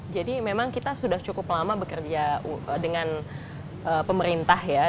jadi memang kita sudah cukup lama bekerja dengan pemerintah ya